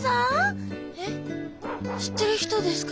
えっ知ってる人ですか？